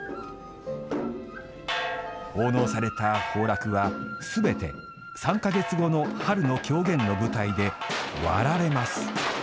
奉納された炮烙はすべて３か月後の春の狂言の舞台で割られます。